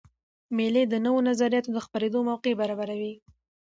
مېلې د نوو نظریاتو د خپرېدو موقع برابروي.